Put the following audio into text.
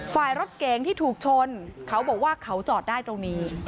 ฝ่ายรถเก๋งที่ถูกชนเขาบอกว่าเขาจอดได้ตรงนี้